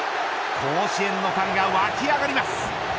甲子園のファンが沸き上がります。